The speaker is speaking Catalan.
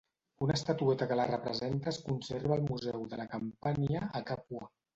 Una estatueta que la representa es conserva al Museu de la Campània, a Càpua.